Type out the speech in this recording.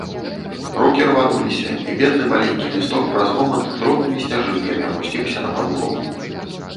Рукі рвануліся, і бедны маленькі лісток праз момант дробнымі сняжынкамі апусціўся на падлогу.